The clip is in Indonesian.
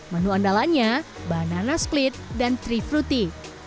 menu andalannya banana split dan tree fruity